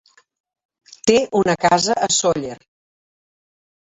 Té una casa a Sóller.